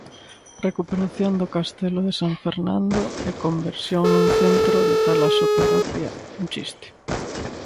Recuperación do castelo de San Fernando e conversión nun centro de talasoterapia: un chiste.